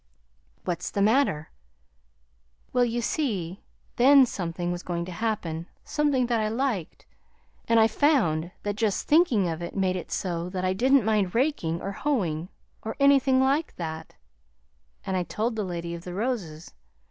"What's the matter?" "Well, you see then something was going to happen something that I liked; and I found that just thinking of it made it so that I didn't mind raking or hoeing, or anything like that; and I told the Lady of the Roses.